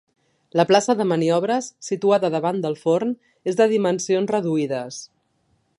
La plaça de maniobres, situada davant del forn, és de dimensions reduïdes.